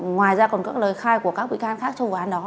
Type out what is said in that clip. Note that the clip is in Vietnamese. ngoài ra còn các lời khai của các bị can khác trong vụ án đó